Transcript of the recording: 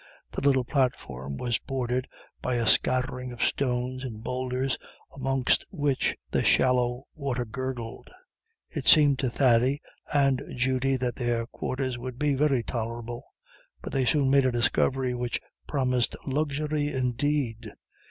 The little platform was bordered by a scattering of stones and boulders, amongst which the shallow water gurgled. It seemed to Thady and Judy that their quarters would be very tolerable; but they soon made a discovery which promised luxury indeed.